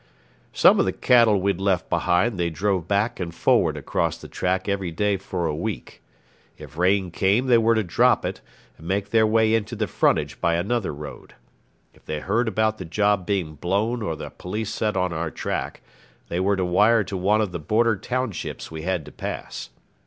Some of the cattle we'd left behind they drove back and forward across the track every day for a week. If rain came they were to drop it, and make their way into the frontage by another road. If they heard about the job being blown or the police set on our track, they were to wire to one of the border townships we had to pass.